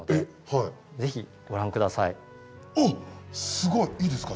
すごい！いいですか？